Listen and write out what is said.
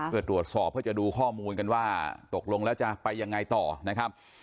เพื่อตรวจสอบเพื่อจะดูข้อมูลกันว่าตกลงแล้วจะไปยังไงต่อนะครับ